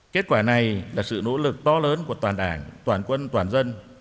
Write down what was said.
kết quả này là sự nỗ lực to lớn của toàn đảng toàn quân toàn dân